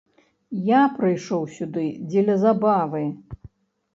Я прыйшоў сюды дзеля забавы.